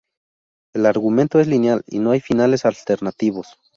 El argumento es lineal y no hay finales alternativos.